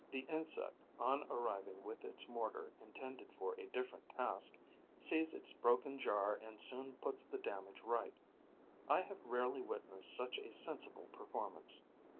The insect, on arriving with its mortar intended for a different task, sees its broken jar and soon puts the damage right. I have rarely witnessed such a sensible performance.